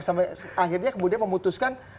sampai akhirnya kemudian memutuskan